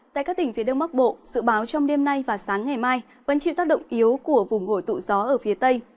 tại các tỉnh phía đông bắc bộ dự báo trong đêm nay và sáng ngày mai vẫn chịu tác động yếu của vùng hội tụ gió ở phía tây